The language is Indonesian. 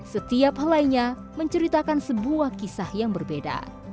setiap hal lainnya menceritakan sebuah kisah yang berbeda